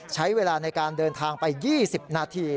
ใช้เวลาในการเดินทางไป๒๐นาที